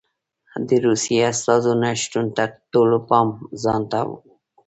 د روسیې استازو نه شتون ټولو پام ځان ته ور اړولی و